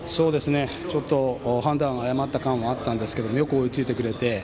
ちょっと判断を誤った感じあったんですがよく追いついてくれて。